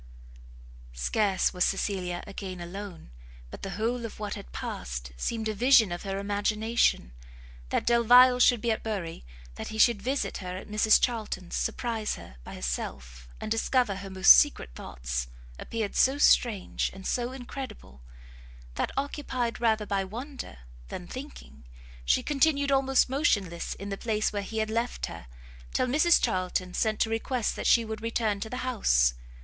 Scarce was Cecilia again alone, but the whole of what had passed seemed a vision of her imagination. That Delvile should be at Bury, that he should visit her at Mrs Charlton's, surprise her by herself, and discover her most secret thoughts, appeared so strange and so incredible, that, occupied rather by wonder than, thinking, she continued almost motionless in the place where he had left her, till Mrs Charlton sent to request that she would return to the house.